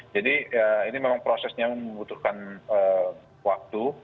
jadi ya ini memang prosesnya membutuhkan waktu